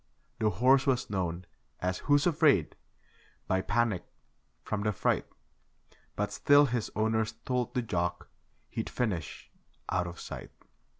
The horse was known as 'Who's Afraid', by Panic from 'The Fright'. But still his owners told the jock he'd finish out of sight.